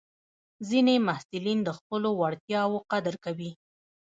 ځینې محصلین د خپلو وړتیاوو قدر کوي.